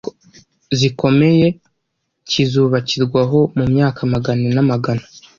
zikomeye kizubakirwaho mu myaka amagana n’amagana.